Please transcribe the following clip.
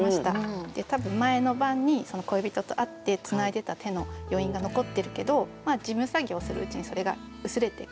で多分前の晩に恋人と会ってつないでた手の余韻が残ってるけど事務作業するうちにそれが薄れていく。